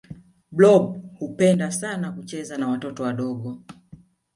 blob hupenda sana kucheza na watoto wadogo